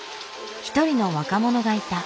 一人の若者がいた。